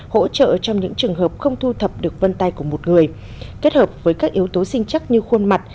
hỗ trợ trong những trường hợp không thu thập được vân tay của một người kết hợp với các yếu tố sinh chắc như khuôn mặt